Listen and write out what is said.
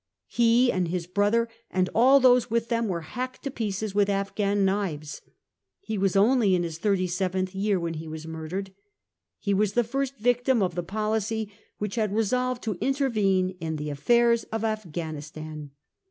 He and his brother and all those with them were hacked to pieces with Afghan knives. He was only in Ms thirty seventh year when he was murdered. He was the first victim of the policy wMch had resolved to intervene in the affairs of Afghanistan.